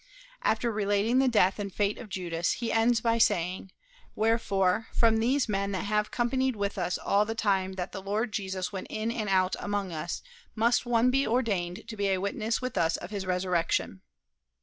After relating the death and fate of Judas, he ends by saying, "Wherefore, from these men that have companied with us all the time that the Lord Jesus went in and out among us must one be ordained to be a witness with us of his resurrection."